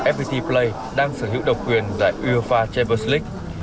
fpt play đang sở hữu độc quyền giải uefa champions league